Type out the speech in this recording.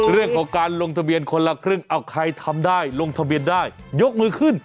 เรื่องของการลงทะเบียนคนละครึ่งเอาใครทำได้ลงทะเบียนได้ยกมือขึ้น